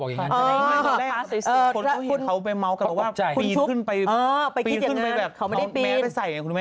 คนเขาเห็นเขาไปเมาส์กับเราว่าปีนขึ้นไปแบบเราไม่ได้ปีน